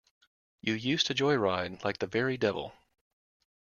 You used to joyride like the very devil.